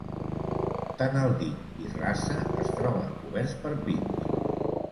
Tant el dic i rasa es troben coberts per pins.